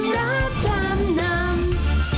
เกมรับจำนำ